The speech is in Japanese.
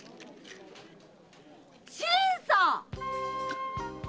新さん！